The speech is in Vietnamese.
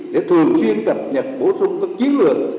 để thường xuyên cập nhật bổ sung các chiến lược